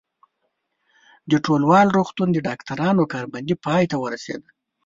د ټولوال روغتون د ډاکټرانو کار بندي پای ته ورسېده.